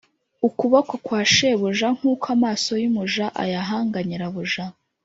ukuboko kwa shebuja Nk uko amaso y umuja ayahanga nyirabuja